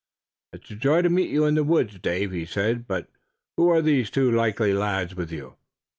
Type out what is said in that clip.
"It's a joy to meet you in these woods, Dave," he said. "But who are the two likely lads with you?